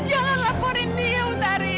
jangan laporkan dia otari